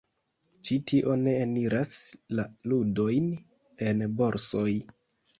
Ĉi tio ne eniras la ludojn en borsoj.